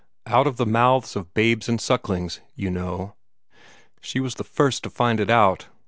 'Out of the mouths of babes and sucklings,' you know. She was the first to find it out.